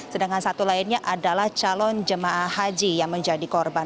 sedangkan satu lainnya adalah calon jemaah haji yang menjadi korban